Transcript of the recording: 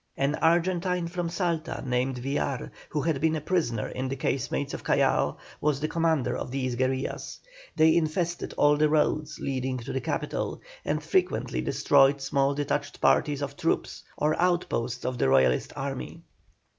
An Argentine from Salta named Villar, who had been a prisoner in the casemates of Callao, was the commander of these guerillas. They infested all the roads leading to the capital, and frequently destroyed small detached parties of troops or outposts of the Royalist army.